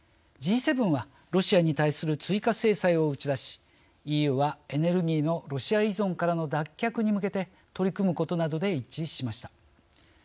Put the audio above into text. Ｇ７はロシアに対する追加制裁を打ち出しＥＵはエネルギーのロシア依存からの脱却に向けて取り組むことなどで一致しました。